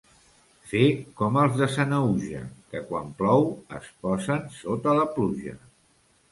Fer com els de Sanaüja, que, quan plou, es posen sota la pluja.